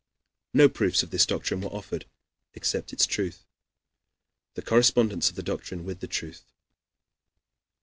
No proofs of this doctrine were offered except its truth, the correspondence of the doctrine with the truth.